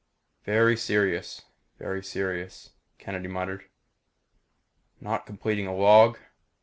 "Very serious very serious," Kennedy muttered. "Not completing a log.